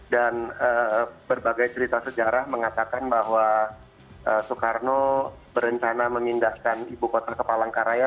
dan berbagai cerita sejarah mengatakan bahwa soekarno berencana memindahkan ibu kota ke palangkaraya